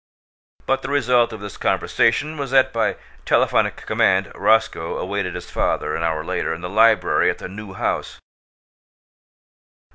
But the result of this conversation was that by telephonic command Roscoe awaited his father, an hour later, in the library at the New House.